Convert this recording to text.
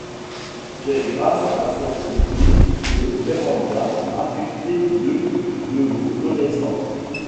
j'ai grâce à cette grue de Vérand'a affecté deux de vos connaissances.